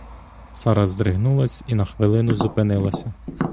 Сара здригнулась і на хвилину зупинилася.